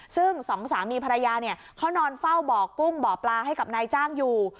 ซึ่งสองสามีภรรยาเนี่ยเขานอนเฝ้าบ่อกุ้งบ่อปลาให้กับนายจ้างอยู่